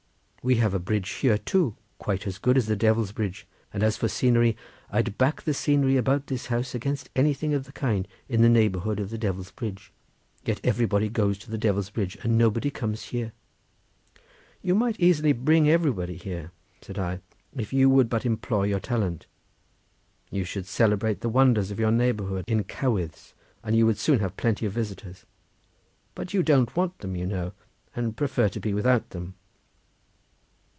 We have a bridge here too quite as good as the Devil's Bridge; and as for scenery, I'll back the scenery about this house against anything of the kind in the neighbourhood of the Devil's Bridge. Yet everybody goes to the Devil's Bridge and nobody comes here." "You might easily bring everybody here," said I, "if you would but employ your talent. You should celebrate the wonders of your neighbourhood in cowydds, and you would soon have plenty of visitors; but you don't want them, you know, and prefer to be without them."